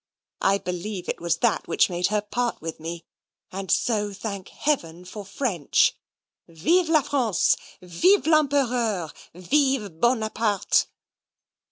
I believe it was that which made her part with me; and so thank Heaven for French. Vive la France! Vive l'Empereur! Vive Bonaparte!"